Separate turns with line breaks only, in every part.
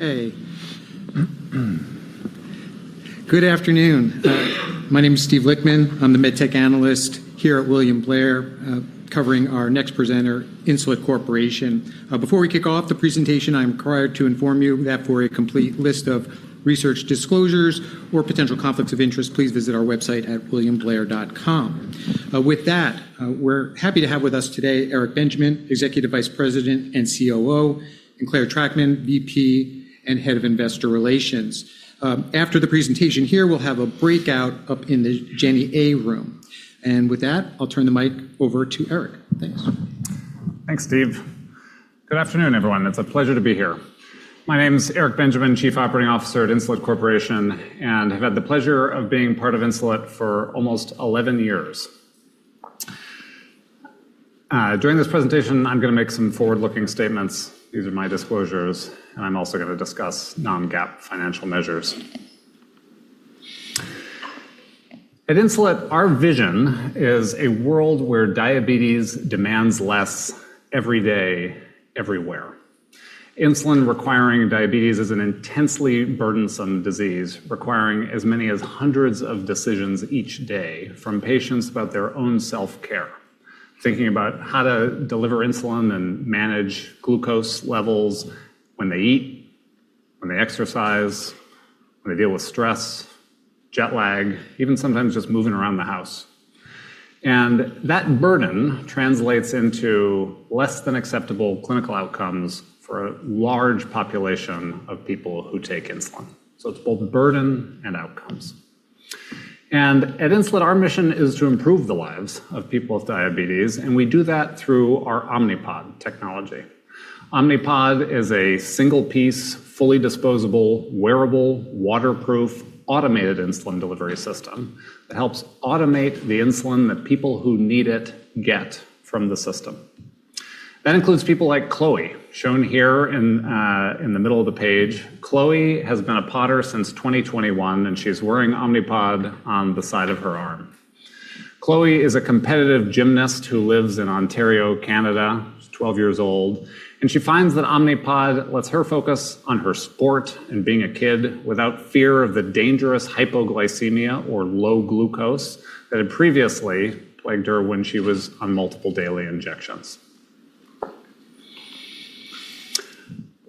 Hey. Good afternoon. My name's Steve Lichtman. I'm the Med Tech Analyst here at William Blair, covering our next presenter, Insulet Corporation. Before we kick off the presentation, I'm required to inform you that for a complete list of research disclosures or potential conflicts of interest, please visit our website at williamblair.com. With that, we're happy to have with us today Eric Benjamin, Executive Vice President and Chief Operating Officer, and Clare Trachtman, Vice President and Head of Investor Relations. After the presentation here, we'll have a breakout up in the Jenny A room. With that, I'll turn the mic over to Eric. Thanks.
Thanks, Steve. Good afternoon, everyone. It's a pleasure to be here. My name's Eric Benjamin, Chief Operating Officer at Insulet Corporation, and have had the pleasure of being part of Insulet for almost 11 years. During this presentation, I'm going to make some forward-looking statements. These are my disclosures. I'm also going to discuss non-GAAP financial measures. At Insulet, our vision is a world where diabetes demands less every day, everywhere. Insulin-requiring diabetes is an intensely burdensome disease, requiring as many as hundreds of decisions each day from patients about their own self-care. Thinking about how to deliver insulin and manage glucose levels when they eat, when they exercise, when they deal with stress, jet lag, even sometimes just moving around the house. That burden translates into less than acceptable clinical outcomes for a large population of people who take insulin. It's both burden and outcomes. At Insulet, our mission is to improve the lives of people with diabetes, and we do that through our Omnipod technology. Omnipod is a single-piece, fully disposable, wearable, waterproof, automated insulin delivery system that helps automate the insulin that people who need it get from the system. That includes people like Chloe, shown here in the middle of the page. Chloe has been a Podder since 2021, and she's wearing Omnipod on the side of her arm. Chloe is a competitive gymnast who lives in Ontario, Canada. She's 12 years old, and she finds that Omnipod lets her focus on her sport and being a kid without fear of the dangerous hypoglycemia or low glucose that had previously plagued her when she was on multiple daily injections.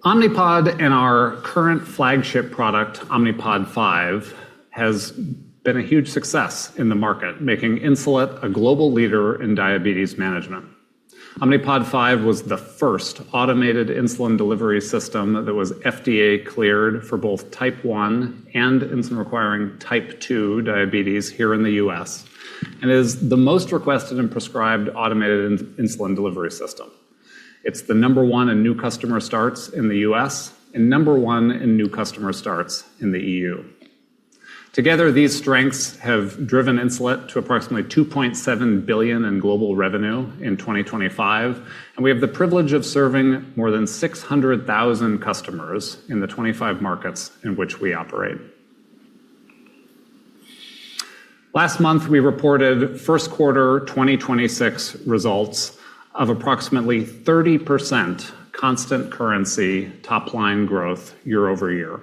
Omnipod and our current flagship product, Omnipod 5, has been a huge success in the market, making Insulet a global leader in diabetes management. Omnipod 5 was the first automated insulin delivery system that was FDA cleared for both type 1 and insulin-requiring type 2 diabetes here in the U.S., and is the most requested and prescribed automated insulin delivery system. It's the number one in new customer starts in the U.S. and number one in new customer starts in the EU. Together, these strengths have driven Insulet to approximately $2.7 billion in global revenue in 2025, and we have the privilege of serving more than 600,000 customers in the 25 markets in which we operate. Last month, we reported first quarter 2026 results of approximately 30% constant currency top-line growth year-over-year.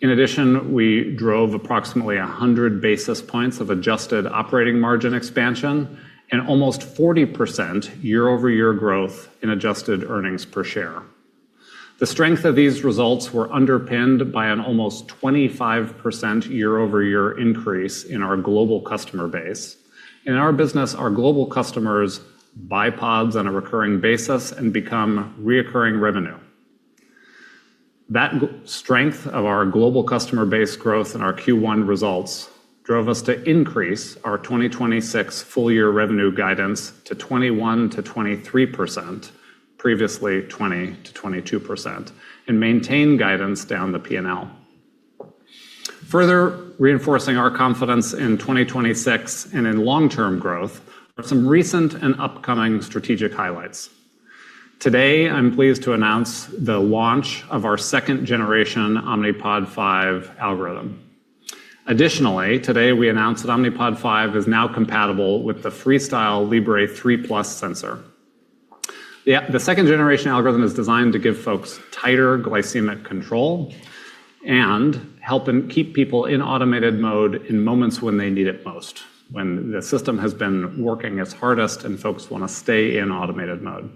In addition, we drove approximately 100 basis points of adjusted operating margin expansion and almost 40% year-over-year growth in adjusted earnings per share. The strength of these results were underpinned by an almost 25% year-over-year increase in our global customer base. In our business, our global customers buy pods on a recurring basis and become reoccurring revenue. That strength of our global customer base growth and our Q1 results drove us to increase our 2026 full-year revenue guidance to 21%-23%, previously 20%-22%, and maintain guidance down the P&L. Further reinforcing our confidence in 2026 and in long-term growth are some recent and upcoming strategic highlights. Today, I'm pleased to announce the launch of our second-generation Omnipod 5 algorithm. Additionally, today we announced that Omnipod 5 is now compatible with the FreeStyle Libre 3 Plus sensor. The second-generation algorithm is designed to give folks tighter glycemic control and help them keep people in automated mode in moments when they need it most, when the system has been working its hardest and folks want to stay in automated mode.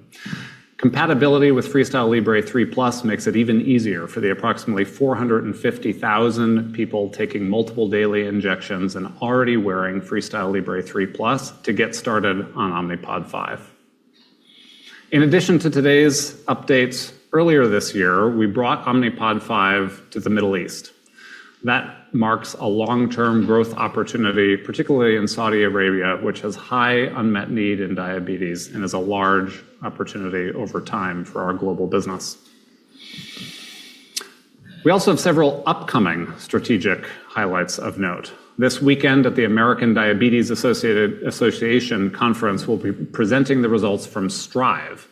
Compatibility with FreeStyle Libre 3 Plus makes it even easier for the approximately 450,000 people taking multiple daily injections and already wearing FreeStyle Libre 3 Plus to get started on Omnipod 5. In addition to today's updates, earlier this year, we brought Omnipod 5 to the Middle East. That marks a long-term growth opportunity, particularly in Saudi Arabia, which has high unmet need in diabetes and is a large opportunity over time for our global business. We also have several upcoming strategic highlights of note. This weekend at the American Diabetes Association Conference, we'll be presenting the results from STRIVE,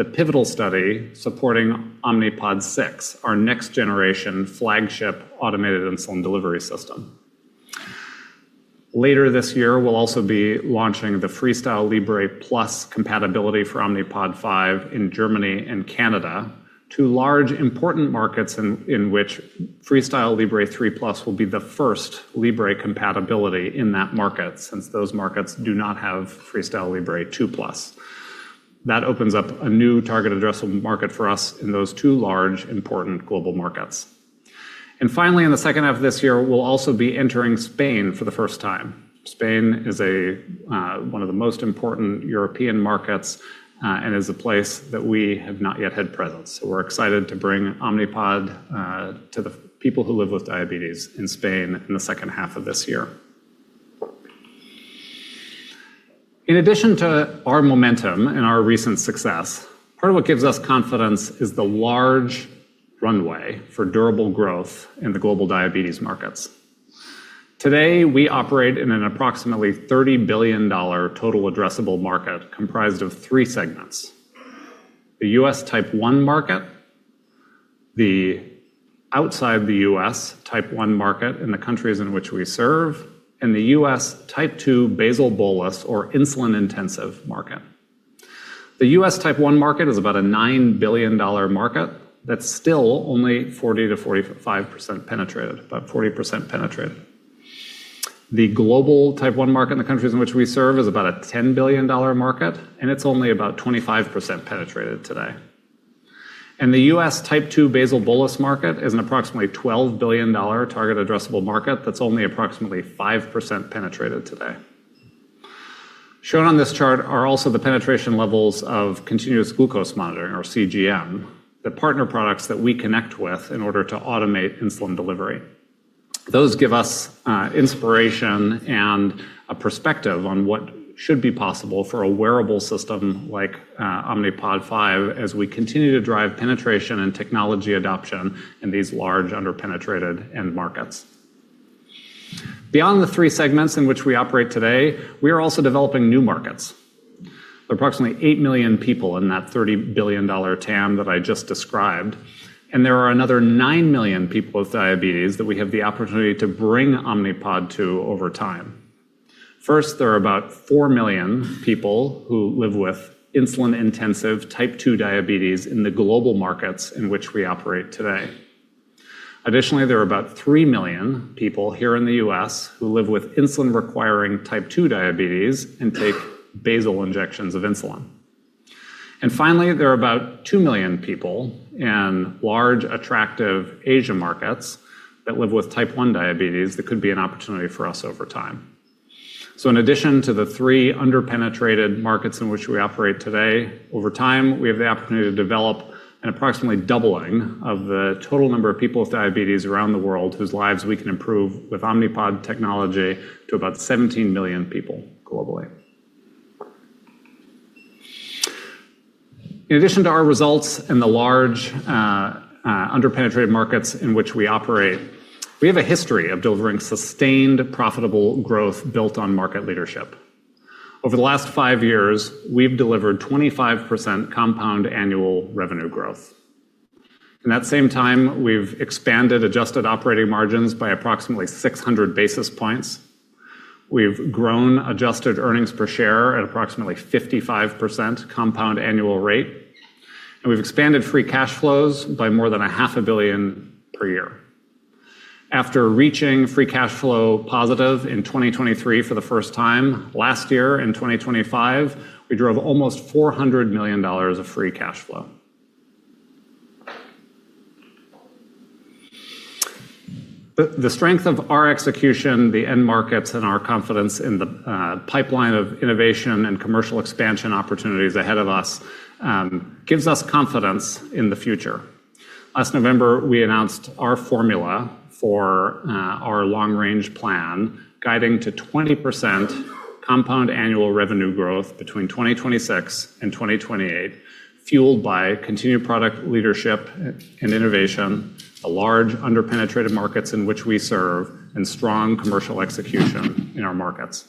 the pivotal study supporting Omnipod 6, our next-generation flagship automated insulin delivery system. Later this year, we'll also be launching the FreeStyle Libre 3 Plus compatibility for Omnipod 5 in Germany and Canada, two large important markets in which FreeStyle Libre 3 Plus will be the first Libre compatibility in that market, since those markets do not have FreeStyle Libre 2 Plus. That opens up a new target addressable market for us in those two large important global markets. Finally, in the second half of this year, we'll also be entering Spain for the first time. Spain is one of the most important European markets, and is a place that we have not yet had presence. We're excited to bring Omnipod to the people who live with diabetes in Spain in the second half of this year. In addition to our momentum and our recent success, part of what gives us confidence is the large runway for durable growth in the global diabetes markets. Today, we operate in an approximately $30 billion total addressable market comprised of three segments, the U.S. type 1 market, the outside the U.S. type 1 market in the countries in which we serve, and the U.S. type 2 basal-bolus or insulin intensive market. The U.S. type 1 market is about a $9 billion market that's still only 40%-45% penetrated, about 40% penetrated. The global type 1 market in the countries in which we serve is about a $10 billion market, and it's only about 25% penetrated today. The U.S. type 2 basal-bolus market is an approximately $12 billion target addressable market that's only approximately 5% penetrated today. Shown on this chart are also the penetration levels of continuous glucose monitoring or CGM, the partner products that we connect with in order to automate insulin delivery. Those give us inspiration and a perspective on what should be possible for a wearable system like Omnipod 5 as we continue to drive penetration and technology adoption in these large under-penetrated end markets. Beyond the three segments in which we operate today, we are also developing new markets. There are approximately 8 million people in that $30 billion TAM that I just described, and there are another 9 million people with diabetes that we have the opportunity to bring Omnipod to over time. First, there are about 4 million people who live with insulin intensive type 2 diabetes in the global markets in which we operate today. Additionally, there are about 3 million people here in the U.S. who live with insulin-requiring type 2 diabetes and take basal injections of insulin. Finally, there are about 2 million people in large, attractive Asia markets that live with type 1 diabetes that could be an opportunity for us over time. In addition to the three under-penetrated markets in which we operate today, over time, we have the opportunity to develop an approximately doubling of the total number of people with diabetes around the world whose lives we can improve with Omnipod technology to about 17 million people globally. In addition to our results in the large under-penetrated markets in which we operate, we have a history of delivering sustained profitable growth built on market leadership. Over the last five years, we've delivered 25% compound annual revenue growth. In that same time, we've expanded adjusted operating margins by approximately 600 basis points. We've grown adjusted earnings per share at approximately 55% compound annual rate, and we've expanded free cash flows by more than $500 million per year. After reaching free cash flow positive in 2023 for the first time, last year in 2025, we drove almost $400 million of free cash flow. The strength of our execution, the end markets, and our confidence in the pipeline of innovation and commercial expansion opportunities ahead of us gives us confidence in the future. Last November, we announced our formula for our long-range plan, guiding to 20% compound annual revenue growth between 2026 and 2028, fueled by continued product leadership and innovation, large under-penetrated markets in which we serve, and strong commercial execution in our markets.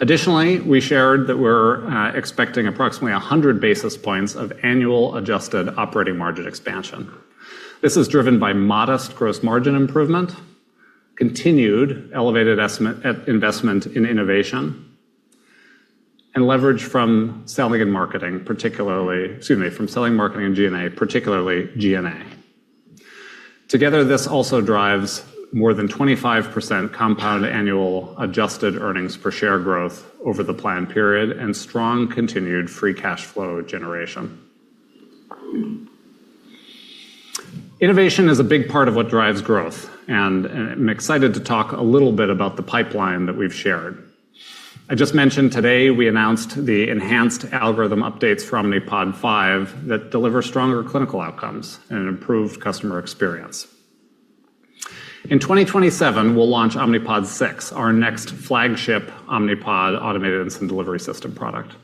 Additionally, we shared that we're expecting approximately 100 basis points of annual adjusted operating margin expansion. This is driven by modest gross margin improvement, continued elevated investment in innovation, and leverage from selling and marketing, particularly, excuse me, from selling marketing and G&A, particularly G&A. Together, this also drives more than 25% compound annual adjusted earnings per share growth over the plan period and strong continued free cash flow generation. Innovation is a big part of what drives growth. I'm excited to talk a little bit about the pipeline that we've shared. I just mentioned today we announced the enhanced algorithm updates for Omnipod 5 that deliver stronger clinical outcomes and an improved customer experience. In 2027, we'll launch Omnipod 6, our next flagship Omnipod automated insulin delivery system product.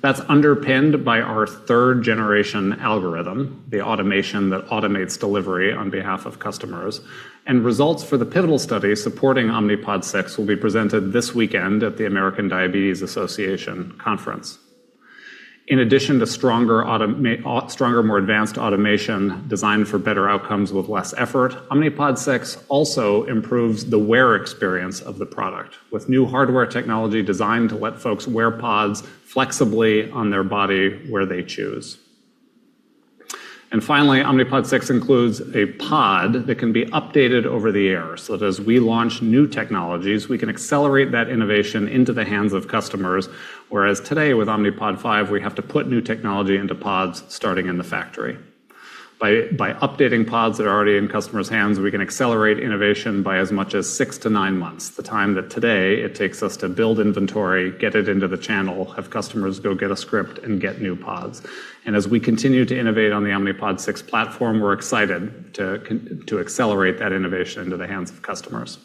That's underpinned by our 3rd-generation algorithm, the automation that automates delivery on behalf of customers. Results for the pivotal study supporting Omnipod 6 will be presented this weekend at the American Diabetes Association conference. In addition to stronger, more advanced automation designed for better outcomes with less effort, Omnipod 6 also improves the wear experience of the product with new hardware technology designed to let folks wear pods flexibly on their body where they choose. Finally, Omnipod 6 includes a pod that can be updated over the air, so that as we launch new technologies, we can accelerate that innovation into the hands of customers. Whereas today with Omnipod 5, we have to put new technology into pods starting in the factory. By updating pods that are already in customers' hands, we can accelerate innovation by as much as six to nine months, the time that today it takes us to build inventory, get it into the channel, have customers go get a script, and get new pods. As we continue to innovate on the Omnipod 6 platform, we're excited to accelerate that innovation into the hands of customers.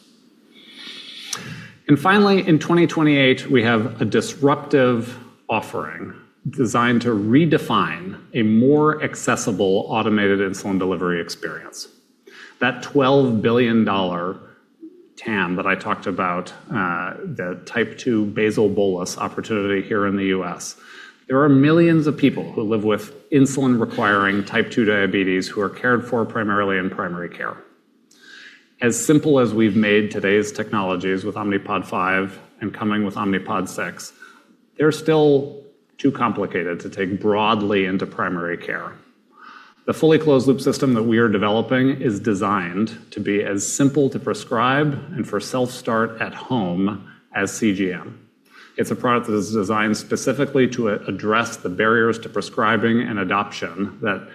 Finally, in 2028, we have a disruptive offering designed to redefine a more accessible automated insulin delivery experience. That $12 billion TAM that I talked about, the type 2 basal-bolus opportunity here in the U.S. There are millions of people who live with insulin-requiring type 2 diabetes who are cared for primarily in primary care. As simple as we've made today's technologies with Omnipod 5 and coming with Omnipod 6, they're still too complicated to take broadly into primary care. The fully closed-loop system that we are developing is designed to be as simple to prescribe and for self-start at home as CGM. It's a product that is designed specifically to address the barriers to prescribing and adoption that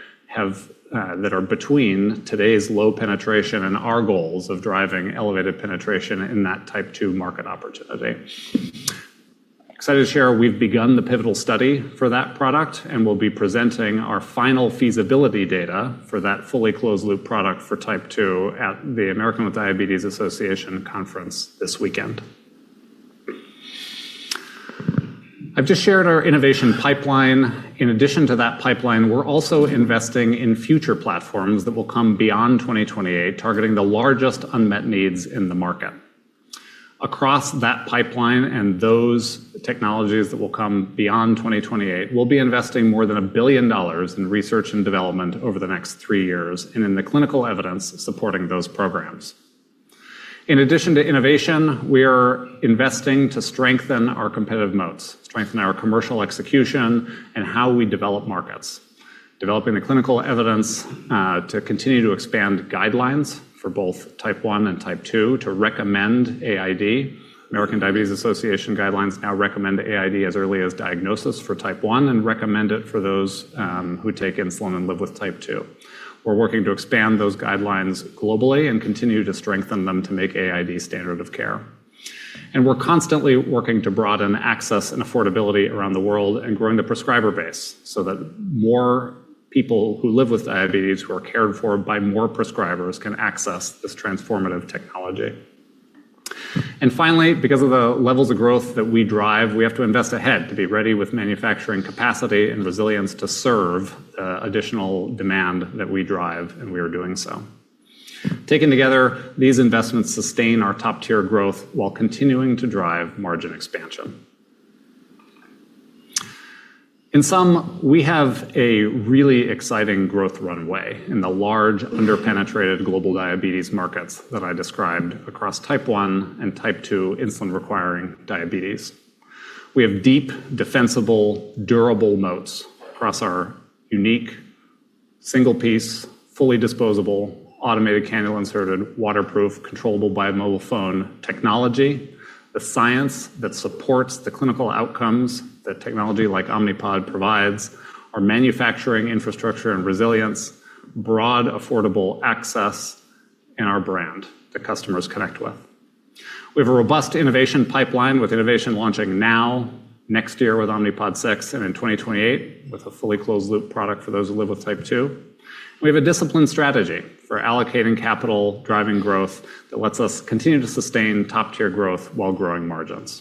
are between today's low penetration and our goals of driving elevated penetration in that type 2 market opportunity. Excited to share, we've begun the pivotal study for that product, and we'll be presenting our final feasibility data for that fully closed-loop product for type 2 at the American Diabetes Association conference this weekend. I've just shared our innovation pipeline. In addition to that pipeline, we're also investing in future platforms that will come beyond 2028, targeting the largest unmet needs in the market. Across that pipeline and those technologies that will come beyond 2028, we'll be investing more than $1 billion in research and development over the next three years and in the clinical evidence supporting those programs. In addition to innovation, we're investing to strengthen our competitive moats, strengthen our commercial execution, and how we develop markets. Developing the clinical evidence to continue to expand guidelines for both type 1 and type 2, to recommend AID. American Diabetes Association guidelines now recommend AID as early as diagnosis for type 1, and recommend it for those who take insulin and live with type 2. We're working to expand those guidelines globally and continue to strengthen them to make AID standard of care. We're constantly working to broaden access and affordability around the world and growing the prescriber base so that more people who live with diabetes, who are cared for by more prescribers, can access this transformative technology. Finally, because of the levels of growth that we drive, we have to invest ahead to be ready with manufacturing capacity and resilience to serve additional demand that we drive, and we are doing so. Taken together, these investments sustain our top-tier growth while continuing to drive margin expansion. In sum, we have a really exciting growth runway in the large, under-penetrated global diabetes markets that I described across type 1 and type 2 insulin-requiring diabetes. We have deep, defensible, durable moats across our unique single piece, fully disposable, automated cannula-inserted, waterproof, controllable by mobile phone technology, the science that supports the clinical outcomes that technology like Omnipod provides, our manufacturing infrastructure and resilience, broad affordable access, and our brand that customers connect with. We have a robust innovation pipeline with innovation launching now, next year with Omnipod 6, and in 2028 with a fully closed-loop product for those who live with type 2. We have a disciplined strategy for allocating capital, driving growth, that lets us continue to sustain top-tier growth while growing margins.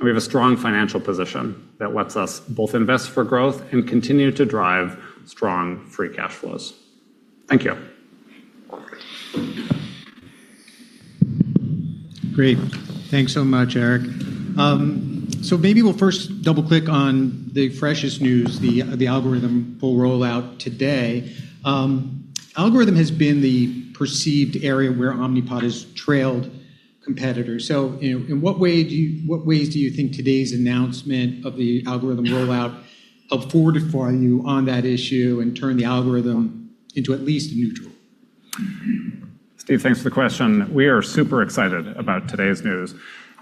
We have a strong financial position that lets us both invest for growth and continue to drive strong free cash flows. Thank you.
Great. Thanks so much, Eric. Maybe we'll first double-click on the freshest news, the algorithm full rollout today. Algorithm has been the perceived area where Omnipod has trailed competitors. In what ways do you think today's announcement of the algorithm rollout help fortify you on that issue and turn the algorithm into at least neutral?
Steve, thanks for the question. We are super excited about today's news.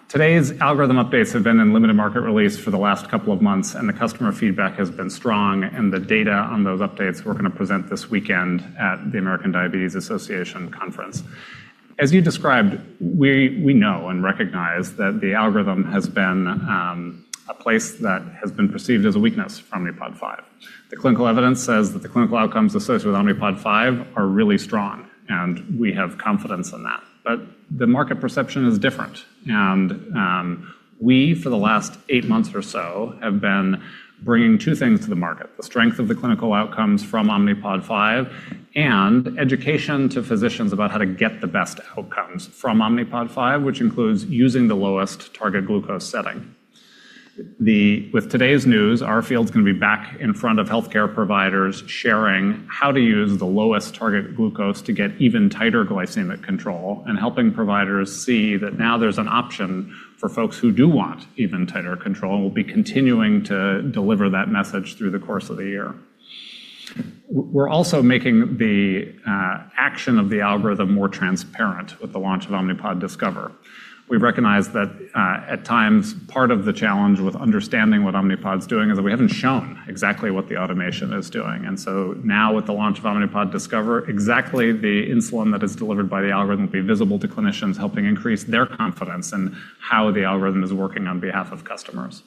Today's algorithm updates have been in limited market release for the last couple of months, the customer feedback has been strong. The data on those updates, we're going to present this weekend at the American Diabetes Association conference. As you described, we know and recognize that the algorithm has been a place that has been perceived as a weakness for Omnipod 5. The clinical evidence says that the clinical outcomes associated with Omnipod 5 are really strong, and we have confidence in that. The market perception is different. We, for the last eight months or so, have been bringing two things to the market, the strength of the clinical outcomes from Omnipod 5 and education to physicians about how to get the best outcomes from Omnipod 5, which includes using the lowest target glucose setting. With today's news, our field's going to be back in front of healthcare providers sharing how to use the lowest target glucose to get even tighter glycemic control and helping providers see that now there's an option for folks who do want even tighter control, and we'll be continuing to deliver that message through the course of the year. We're also making the action of the algorithm more transparent with the launch of Omnipod Discover. We've recognized that at times part of the challenge with understanding what Omnipod's doing is that we haven't shown exactly what the automation is doing. Now with the launch of Omnipod Discover, exactly the insulin that is delivered by the algorithm will be visible to clinicians, helping increase their confidence in how the algorithm is working on behalf of customers.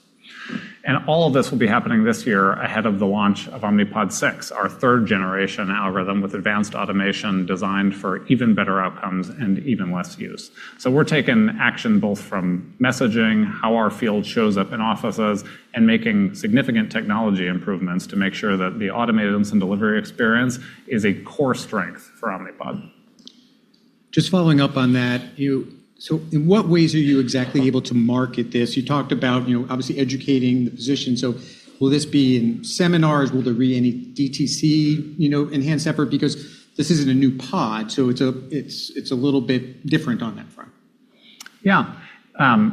All of this will be happening this year ahead of the launch of Omnipod 6, our third-generation algorithm with advanced automation designed for even better outcomes and even less use. We're taking action both from messaging, how our field shows up in offices, and making significant technology improvements to make sure that the automated insulin delivery experience is a core strength for Omnipod.
Just following up on that, in what ways are you exactly able to market this? You talked about, obviously, educating the physician. Will this be in seminars? Will there be any DTC enhanced effort? This isn't a new pod, so it's a little bit different on that front.
Yeah.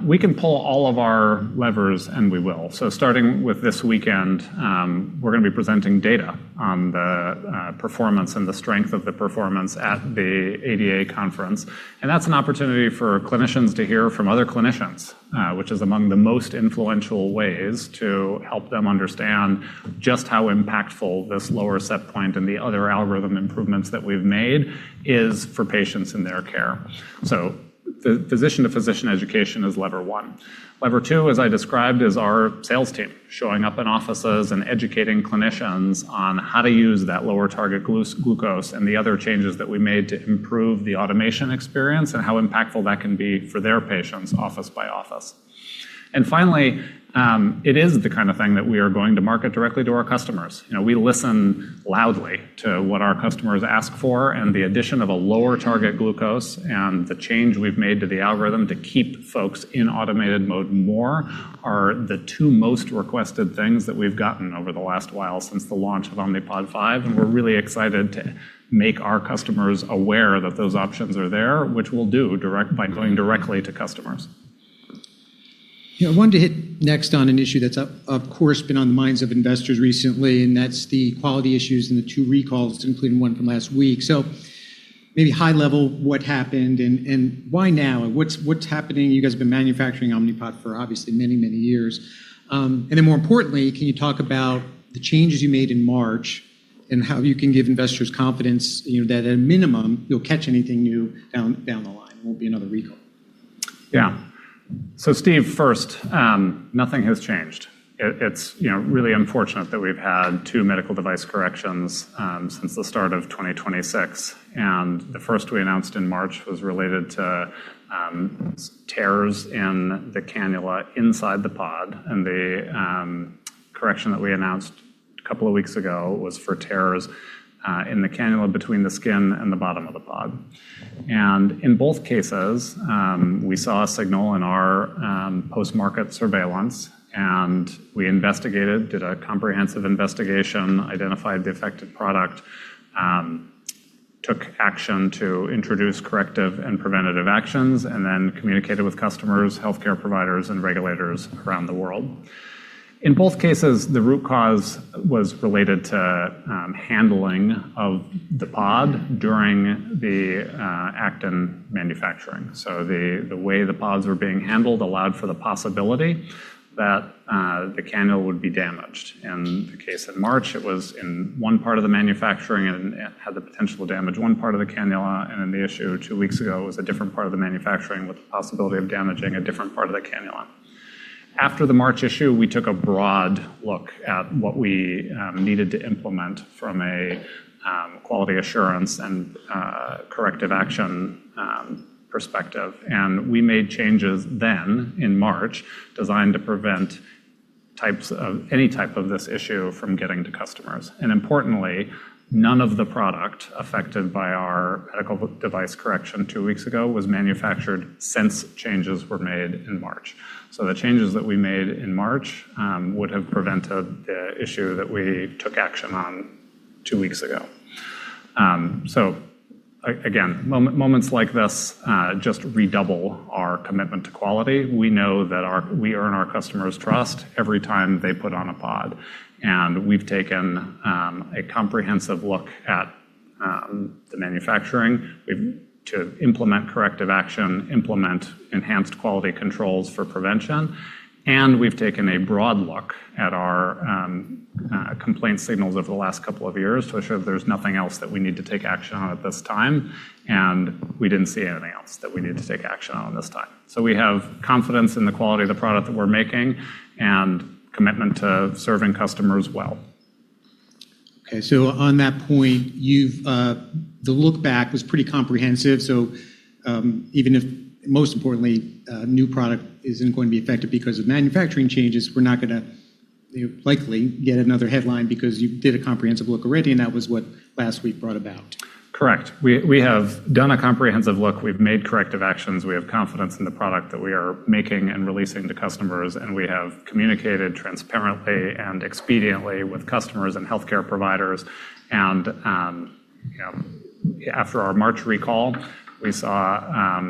We can pull all of our levers, and we will. Starting with this weekend, we're going to be presenting data on the performance and the strength of the performance at the ADA conference, and that's an opportunity for clinicians to hear from other clinicians, which is among the most influential ways to help them understand just how impactful this lower set point and the other algorithm improvements that we've made is for patients in their care. The physician-to-physician education is lever one. Lever two, as I described, is our sales team showing up in offices and educating clinicians on how to use that lower target glucose and the other changes that we made to improve the automation experience and how impactful that can be for their patients, office by office. Finally, it is the kind of thing that we are going to market directly to our customers. We listen loudly to what our customers ask for. The addition of a lower target glucose and the change we've made to the algorithm to keep folks in automated mode more are the two most requested things that we've gotten over the last while since the launch of Omnipod 5. We're really excited to make our customers aware that those options are there, which we'll do by going directly to customers.
Yeah. I wanted to hit next on an issue that's, of course, been on the minds of investors recently, and that's the quality issues and the two recalls, including one from last week. Maybe high-level what happened, and why now? What's happening? You guys have been manufacturing Omnipod for obviously many, many years. More importantly, can you talk about the changes you made in March and how you can give investors confidence that at minimum you'll catch anything new down the line and there won't be another recall?
Yeah. Steve, first, nothing has changed. The first we announced in March was related to tears in the cannula inside the pod, and the correction that we announced a couple of weeks ago was for tears in the cannula between the skin and the bottom of the pod. In both cases, we saw a signal in our post-market surveillance, and we investigated, did a comprehensive investigation, identified the affected product, took action to introduce corrective and preventative actions, and then communicated with customers, healthcare providers, and regulators around the world. In both cases, the root cause was related to handling of the pod during the act in manufacturing. The way the pods were being handled allowed for the possibility that the cannula would be damaged. In the case in March, it was in one part of the manufacturing and had the potential to damage one part of the cannula. The issue two weeks ago was a different part of the manufacturing with the possibility of damaging a different part of the cannula. After the March issue, we took a broad look at what we needed to implement from a quality assurance and corrective action perspective. We made changes then in March designed to prevent any type of this issue from getting to customers. Importantly, none of the product affected by our medical device correction two weeks ago was manufactured since changes were made in March. The changes that we made in March would have prevented the issue that we took action on two weeks ago. Again, moments like this just redouble our commitment to quality. We know that we earn our customers' trust every time they put on a pod. We've taken a comprehensive look at the manufacturing to implement corrective action, implement enhanced quality controls for prevention, and we've taken a broad look at our complaints signals over the last couple of years to ensure that there's nothing else that we need to take action on at this time, and we didn't see anything else that we needed to take action on this time. We have confidence in the quality of the product that we're making and commitment to serving customers well.
Okay, on that point, the look back was pretty comprehensive, so even if, most importantly, a new product isn't going to be affected because of manufacturing changes, You'll likely get another headline because you did a comprehensive look already, and that was what last week brought about.
Correct. We have done a comprehensive look. We've made corrective actions. We have confidence in the product that we are making and releasing to customers, and we have communicated transparently and expediently with customers and healthcare providers. After our March recall, we saw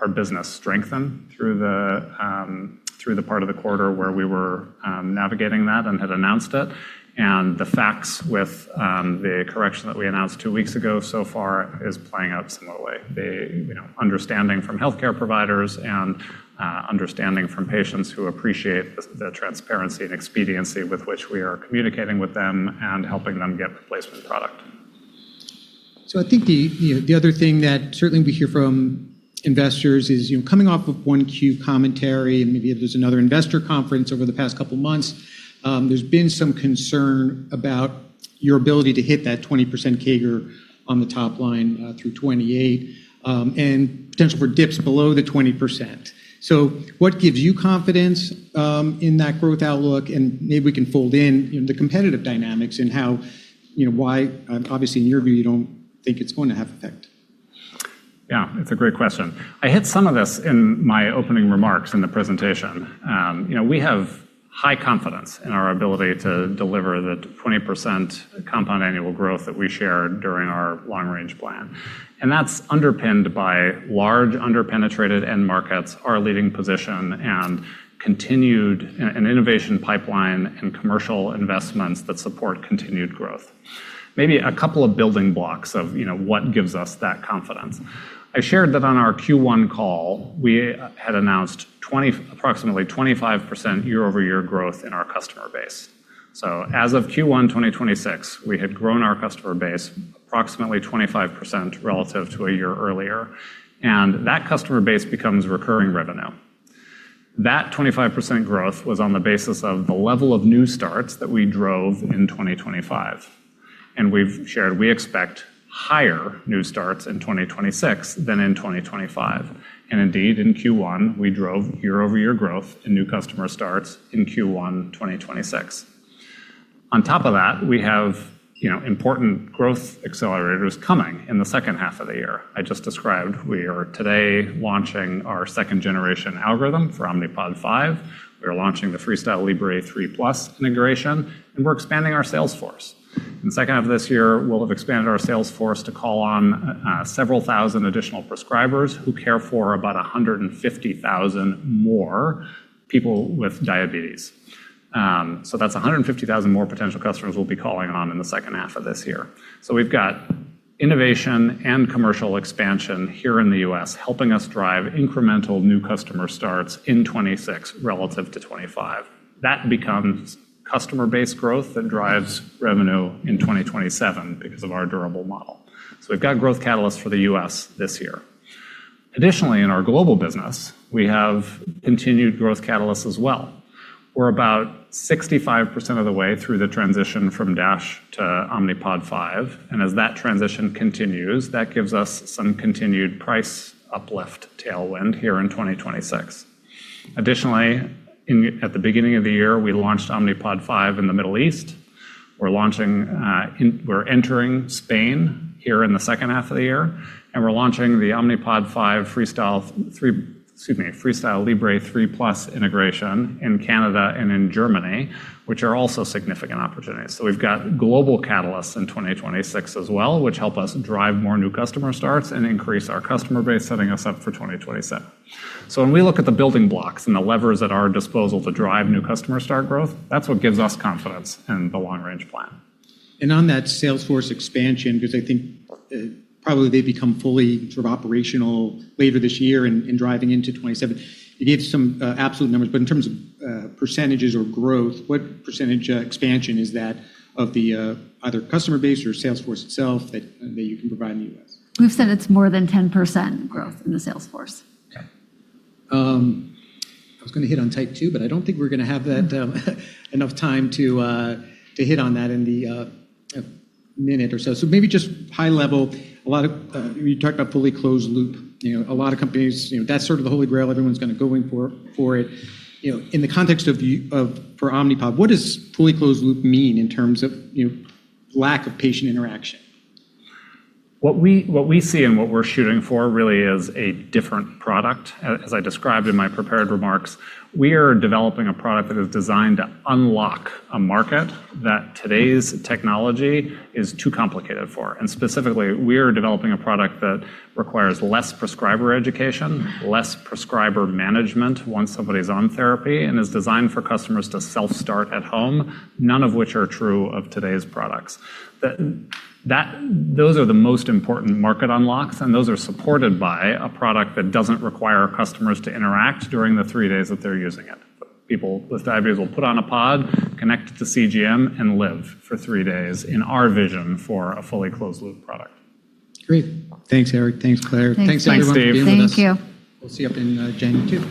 our business strengthen through the part of the quarter where we were navigating that and had announced it. The facts with the correction that we announced two weeks ago so far is playing out similarly, the understanding from healthcare providers and understanding from patients who appreciate the transparency and expediency with which we are communicating with them and helping them get replacement product.
I think the other thing that certainly we hear from investors is, coming off of 1Q commentary and maybe there's another investor conference over the past couple of months, there's been some concern about your ability to hit that 20% CAGR on the top line through 2028, and potential for dips below the 20%. What gives you confidence in that growth outlook and maybe we can fold in the competitive dynamics and why, obviously, in your view, you don't think it's going to have effect.
Yeah. It's a great question. I hit some of this in my opening remarks in the presentation. We have high confidence in our ability to deliver the 20% compound annual growth that we shared during our long-range plan. That's underpinned by large under-penetrated end markets, our leading position, and continued innovation pipeline and commercial investments that support continued growth. Maybe a couple of building blocks of what gives us that confidence. I shared that on our Q1 call, we had announced approximately 25% year-over-year growth in our customer base. So as of Q1 2026, we had grown our customer base approximately 25% relative to a year earlier. That customer base becomes recurring revenue. That 25% growth was on the basis of the level of new starts that we drove in 2025. We've shared, we expect higher new starts in 2026 than in 2025. Indeed, in Q1, we drove year-over-year growth in new customer starts in Q1 2026. On top of that, we have important growth accelerators coming in the second half of the year. I just described, we are today launching our second-generation algorithm for Omnipod 5. We are launching the FreeStyle Libre 3 Plus integration, and we're expanding our sales force. In the second half of this year, we'll have expanded our sales force to call on several thousand additional prescribers who care for about 150,000 more people with diabetes. That's 150,000 more potential customers we'll be calling on in the second half of this year. We've got innovation and commercial expansion here in the U.S. helping us drive incremental new customer starts in 2026 relative to 2025. That becomes customer base growth that drives revenue in 2027 because of our durable model. We've got growth catalysts for the U.S. this year. Additionally, in our global business, we have continued growth catalysts as well. We're about 65% of the way through the transition from Dash to Omnipod 5. As that transition continues, that gives us some continued price uplift tailwind here in 2026. Additionally, at the beginning of the year, we launched Omnipod 5 in the Middle East. We're entering Spain here in the second half of the year, and we're launching the Omnipod 5 FreeStyle Libre 3 Plus integration in Canada and in Germany, which are also significant opportunities. We've got global catalysts in 2026 as well, which help us drive more new customer starts and increase our customer base, setting us up for 2027. When we look at the building blocks and the levers at our disposal to drive new customer start growth, that's what gives us confidence in the long-range plan.
On that sales force expansion, because I think probably they become fully sort of operational later this year and driving into 2027. You gave some absolute numbers, but in terms of percentages or growth, what percentage expansion is that of the, either customer base or sales force itself that you can provide in the U.S.?
We've said it's more than 10% growth in the sales force.
Okay. I was going to hit on type 2, but I don't think we're going to have enough time to hit on that in the minute or so. Maybe just high level. You talked about fully closed-loop. A lot of companies, that's sort of the holy grail everyone's going for. In the context for Omnipod, what does fully closed-loop mean in terms of lack of patient interaction?
What we see and what we're shooting for really is a different product. As I described in my prepared remarks, we are developing a product that is designed to unlock a market that today's technology is too complicated for. Specifically, we are developing a product that requires less prescriber education, less prescriber management once somebody's on therapy, and is designed for customers to self-start at home, none of which are true of today's products. Those are the most important market unlocks. Those are supported by a product that doesn't require customers to interact during the three days that they're using it. People with diabetes will put on a pod, connect to CGM, and live for three days in our vision for a fully closed-loop product.
Great. Thanks, Eric. Thanks, Clare.
Thanks, Eric.
Thanks, Steve.
We'll see you up in